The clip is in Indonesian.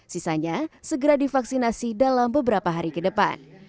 sisanya segera divaksinasi dalam beberapa hari ke depan